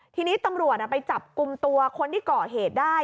ทีนี้ตำรวจไปจับกลุ่มตัวคนที่ก่อเหตุได้